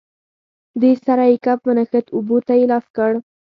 دې سره یې کپ ونښت، اوبو ته یې لاس کړ.